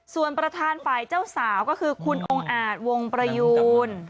ส่วนประธานฝ่ายเจ้าสาวก็คือคุณองค์อาจวงประยูน